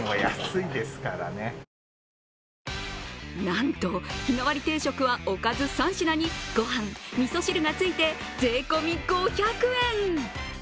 なんと日替わり定食はおかず３品に御飯、みそ汁がついて税込み５００円。